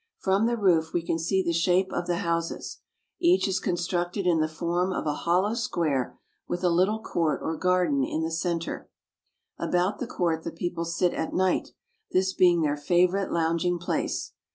From the roof we can see the shape of the houses. Each is constructed in the form of a hollow square, with a Httle court or garden in the center. About the court the people sit at night, this being their favorite lounging place.